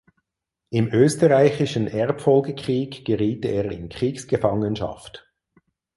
Im Österreichischen Erbfolgekrieg geriet er in Kriegsgefangenschaft.